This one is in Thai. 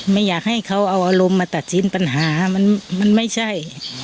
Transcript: ไม่อยากให้เขาเอาอารมณ์มาตัดสินปัญหามันไม่ใช่